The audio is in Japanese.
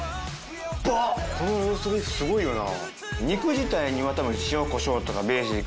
このローストビーフすごいよな。